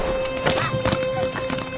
あっ！